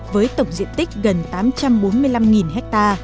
với tổng diện tích gần tám trăm bốn mươi năm ha